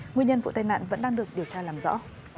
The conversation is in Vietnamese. nguyên nhân vụ tai nạn vẫn đang được điều tra làm rõ